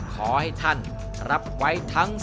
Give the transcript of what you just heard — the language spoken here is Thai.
ขอให้ท่านรับไว้ทั้ง